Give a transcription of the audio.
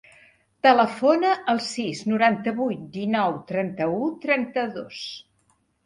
Telefona al sis, noranta-vuit, dinou, trenta-u, trenta-dos.